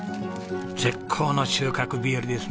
絶好の収穫日和ですね。